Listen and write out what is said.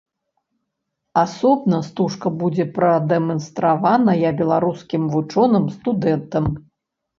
Асобна стужка будзе прадэманстраваная беларускім вучоным, студэнтам.